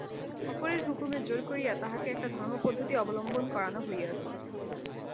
অপরের হুকুমে জোর করিয়া তাহাকে একটা ধর্মপদ্ধতি অবলম্বন করানো হইয়াছে।